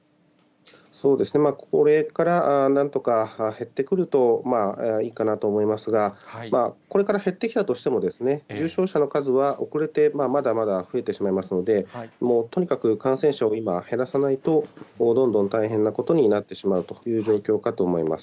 これからなんとか減ってくるといいかなと思いますが、これから減ってきたとしても、重症者の数は遅れてまだまだ増えてしまいますので、とにかく感染者を今、減らさないと、どんどん大変なことになってしまうという状況かと思います。